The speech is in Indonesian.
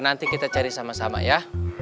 nanti kita cari sama sama ya